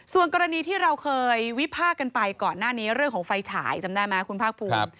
ส่วนกรณีที่เราเคยวิพากษ์กันไปก่อนหน้านี้เรื่องของไฟฉายจำได้ไหมคุณภาคภูมิ